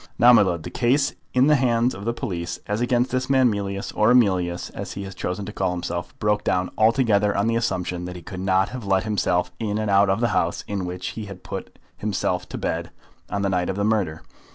Now, my lud, the case in the hands of the police, as against this man Mealyus, or Emilius, as he has chosen to call himself, broke down altogether on the presumption that he could not have let himself in and out of the house in which he had put himself to bed on the night of the murder.